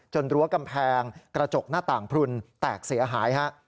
รั้วกำแพงกระจกหน้าต่างพลุนแตกเสียหายฮะ